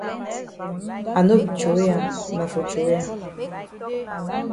I no be throwey am na for throwey am.